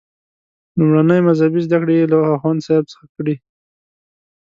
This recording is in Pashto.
لومړنۍ مذهبي زده کړې یې له اخوندصاحب څخه کړي.